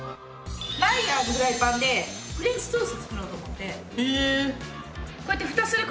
マイヤーのフライパンでフレンチトースト作ろうと思って。